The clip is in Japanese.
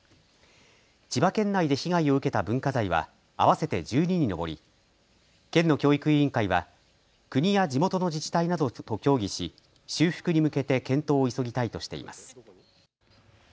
千葉県内で被害を受けた文化財は合わせて１２に上り、県の教育委員会は国や地元の自治体などと協議し修復に向けて検討を急ぎたいとしています。